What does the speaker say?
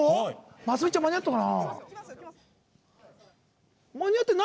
ますみちゃん間に合ったかな。